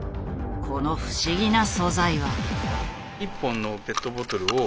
この不思議な素材は。